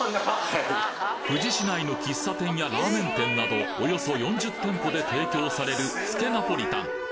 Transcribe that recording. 富士市内の喫茶店やラーメン店などおよそ４０店舗で提供されるつけナポリタン